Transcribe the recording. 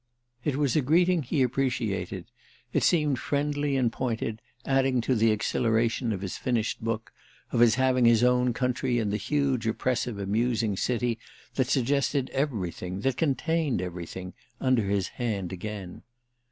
It was a greeting he appreciated; it seemed friendly and pointed, added to the exhilaration of his finished book, of his having his own country and the huge oppressive amusing city that suggested everything, that contained everything, under his hand again.